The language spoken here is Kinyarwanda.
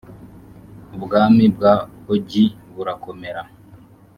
ubwami bwa ogi burakomera